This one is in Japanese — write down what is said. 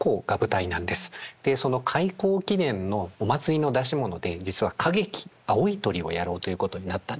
でその開校記念のお祭りの出し物で実は歌劇「青い鳥」をやろうということになったんですね。